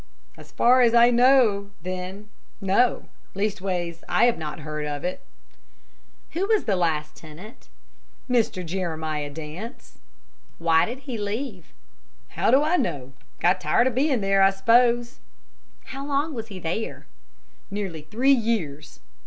"As far as I know, then, no; leastways, I have not heard tell of it." "Who was the last tenant?" "Mr. Jeremiah Dance." "Why did he leave?" "How do I know? Got tired of being there, I suppose." "How long was he there?" "Nearly three years."